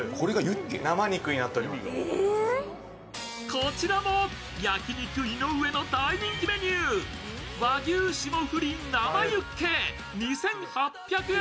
こちらも焼肉いのうえの大人気メニュー、和牛霜降り生ユッケ２８００円。